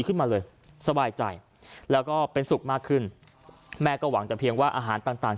ขึ้นมาเลยสบายใจแล้วก็เป็นสุขมากขึ้นแม่ก็หวังแต่เพียงว่าอาหารต่างต่าง